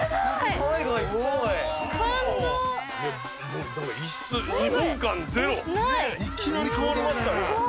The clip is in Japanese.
いきなり変わりました。